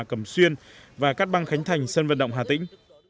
cẩm xuyên và các băng khánh thành sân vận động hà tĩnh